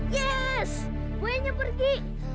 yes buayanya pergi